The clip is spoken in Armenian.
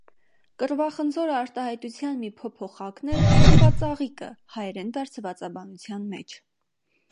Կռվախնձոր արտահայտության մի փոփոխակն է «կռվածաղիկը»՝ հայերեն դարձվածաբանության մեջ։